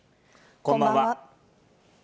こんばんは。